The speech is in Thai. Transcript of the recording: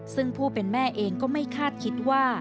ซึ่งผู้เป็นแม่เองก็ไม่คาดคิดว่า